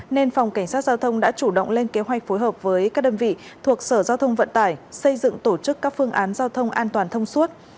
nên phòng cảnh sát giao thông đã chủ động lên kế hoạch phối hợp với các đơn vị thuộc sở giao thông vận tải xây dựng tổ chức các phương án giao thông an toàn thông suốt